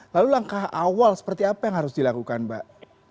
lalu langkah awal seperti apa yang harus dilakukan mbak